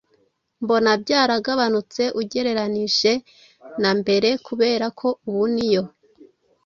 mbona byaragabanutse ugereranyije na mbere kubera ko ubu niyo